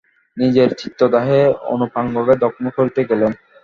নিজের চিত্তদাহে অন্নপূর্ণাকে দগ্ধ করিতে গেলেন।